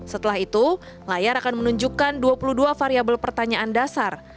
setelah itu layar akan menunjukkan dua puluh dua variabel pertanyaan dasar